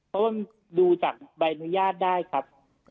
ต้องดูจากใบอนุญาตได้ครับ